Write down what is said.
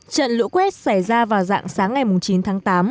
trận lũ quét xảy ra vào dạng sáng ngày chín tháng tám